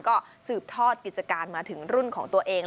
ก็สืบทอดกิจการมาถึงรุ่นของตัวเอง